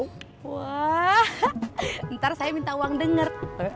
wah ntar saya minta uang denger